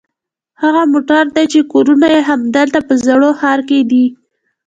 هغه موټر دي چې کورونه یې همدلته په زاړه ښار کې دي.